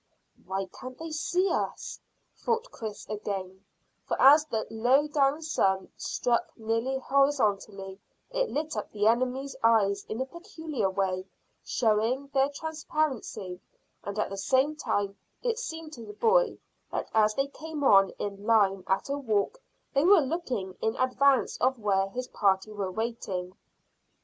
"Why, they can't see us," thought Chris again, for as the low down sun struck nearly horizontally it lit up the enemies' eyes in a peculiar way, showing their transparency, and at the same time it seemed to the boy that as they came on in line at a walk they were looking in advance of where his party were waiting.